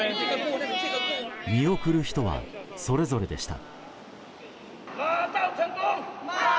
見送る人はそれぞれでした。